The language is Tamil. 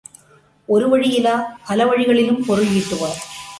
ஒரு வழியிலா, பல வழிகளிலும் பொருள் ஈட்டுவார்.